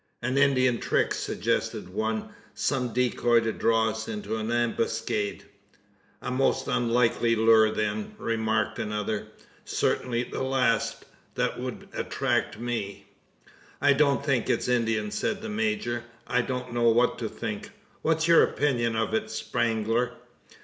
"An Indian trick?" suggested one. "Some decoy to draw us into an ambuscade?" "A most unlikely lure, then;" remarked another; "certainly the last that would attract me." "I don't think it's Indian," said the major; "I don't know what to think. What's your opinion of it, Spangler?"